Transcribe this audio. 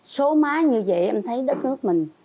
số má như vậy em thấy đất nước mình